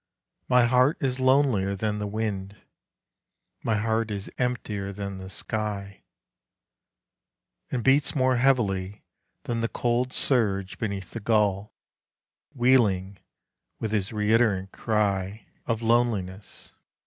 My heart is lonelier than the wind; My heart is emptier than the sky, And beats more heavily Than the cold surge beneath the gull, Wheeling with his reiterant cry Of loneliness....